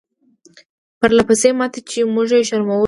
پرله پسې ماتې چې موږ یې شرمولو.